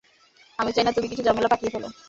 আমি চাই না তুমি কিছু ঝামেলা পাকিয়ে ফেলো।